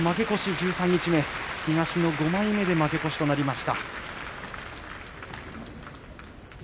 十三日目東の５枚目で負け越しとなりました。